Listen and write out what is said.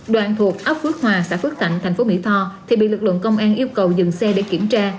đoàn thuộc ấp phước hòa xã phước thạnh thành phố mỹ tho thì bị lực lượng công an yêu cầu dừng xe để kiểm tra